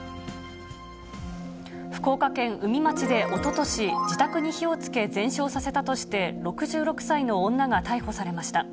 福岡県宇美町で、おととし、自宅に火をつけ全焼させたとして、６６歳の女が逮捕されました。